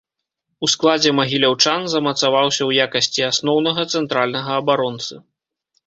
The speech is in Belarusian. У складзе магіляўчан замацаваўся ў якасці асноўнага цэнтральнага абаронцы.